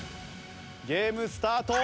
ゲームスタート！